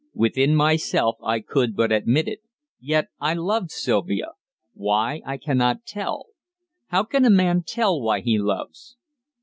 Within myself I could but admit it. Yet I loved Sylvia. Why, I cannot tell. How can a man tell why he loves?